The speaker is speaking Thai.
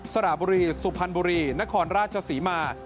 สระบุรีสุพรรณบุรีนครราชศรีมา